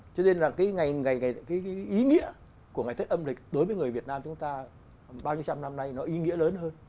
cho nên là cái ý nghĩa của ngày tết âm lịch đối với người việt nam chúng ta bao nhiêu trăm năm nay nó ý nghĩa lớn hơn